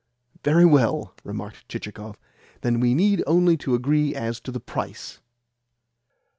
"Very well," remarked Chichikov. "Then we need only to agree as to the price."